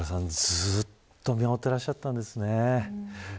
ずっと見守っていらっしゃったんですね。